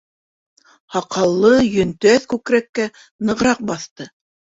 Һаҡаллы йөнтәҫ күкрәккә нығыраҡ баҫты.